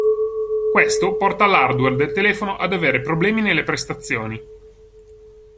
Questo porta l'hardware del telefono ad avere problemi nelle prestazioni.